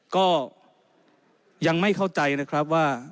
ก็ยังไม่เข้าใจนะครับว่า